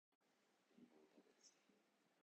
りんごを食べる